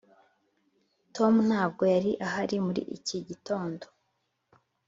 tom ntabwo yari ahari muri iki gitondo.